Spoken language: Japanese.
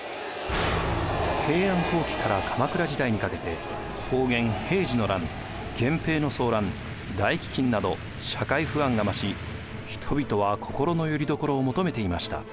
平安後期から鎌倉時代にかけて保元・平治の乱源平の争乱大飢饉など社会不安が増し人々は心のよりどころを求めていました。